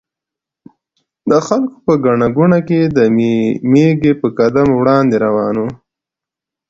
د خلکو په ګڼه ګوڼه کې د مېږي په قدم وړاندې روان و.